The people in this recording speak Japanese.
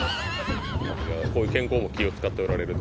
こういう健康も気を使っておられると。